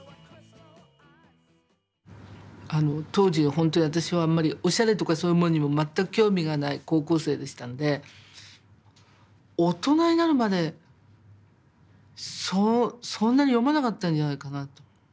当時ホントに私はあんまりおしゃれとかそういうものにも全く興味がない高校生でしたので大人になるまでそんなに読まなかったんじゃないかなと。